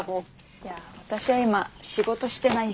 いや私は今仕事してないし。